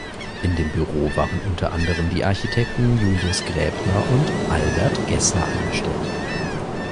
In dem Büro waren unter anderem die Architekten Julius Graebner und Albert Gessner angestellt.